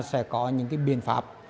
sẽ có những biên pháp